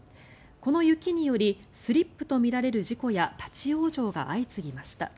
この雪によりスリップとみられる事故や立ち往生が相次ぎました。